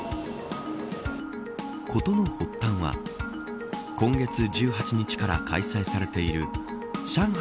事の発端は今月１８日から開催されている上海